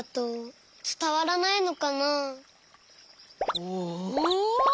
おお！